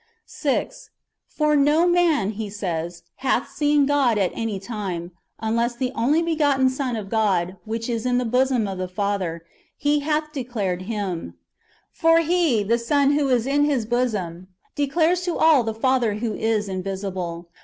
6. For " no man," he says, " hath seen God at any time," unless " the only begotten Son of God, which is in the bosom of the Father, He hath declared [Him]." ^ For He, the Son who is in His bosom, declares to all the Father who is in visible.